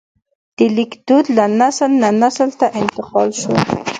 د لیک دود له نسل نه نسل ته انتقال شو.